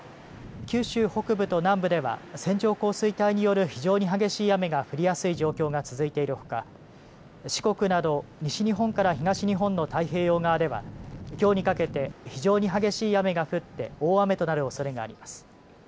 九州北部と南部では線状降水帯による非常に激しい雨が降りやすい状況が続いているほか四国など西日本から東日本の太平洋側ではきょうにかけて非常に激しい雨が降って大雨となるおそれがあります。